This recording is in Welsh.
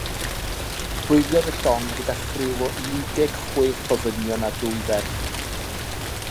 Hwyliodd y llong gyda chriw o un deg chwech o ddynion a dwy ferch.